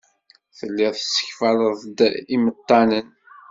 Telliḍ tessekfaleḍ-d imettanen.